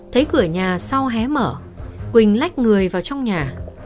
thấy cửa nhà sau hé mở quỳnh lách người vào trong nhà